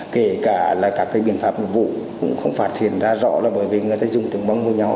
kể cả các biện pháp vụ cũng không phát triển ra rõ là bởi vì người ta dùng tiếng mông với nhau